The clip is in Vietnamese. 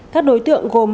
các đối tượng gồm